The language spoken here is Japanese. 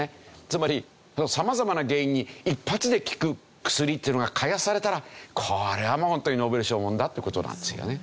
つまりその様々な原因に一発で効く薬っていうのが開発されたらこれはもうホントにノーベル賞ものだって事なんですよね。